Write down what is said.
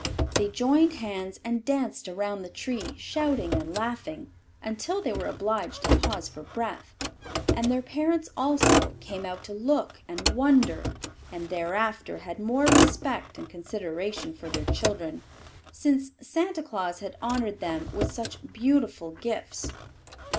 They joined hands and danced around the tree, shouting and laughing, until they were obliged to pause for breath. And their parents, also, came out to look and wonder, and thereafter had more respect and consideration for their children, since Santa Claus had honored them with such beautiful gifts.